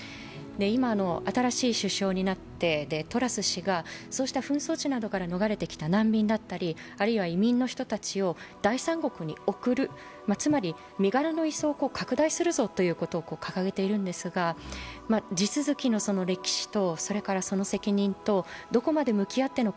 今、新しい首相になって、トラス氏がそうした紛争地などからのがれてきた難民だったりあるいは移民の人たちを第三国に送る、つまり身柄の移送を拡大するぞということを掲げているんですがエリザベス女王が亡くなられました。